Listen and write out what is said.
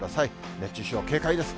熱中症警戒です。